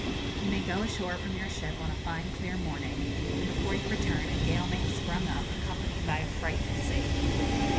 You may go ashore from your ship on a fine clear morning, and before you return a gale may have sprung up, accompanied by a frightful sea.